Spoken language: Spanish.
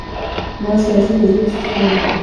Nace así el edificio España.